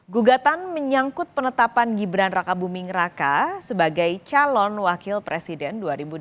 gugatan menyangkut penetapan gibran raka buming raka sebagai calon wakil presiden dua ribu dua puluh empat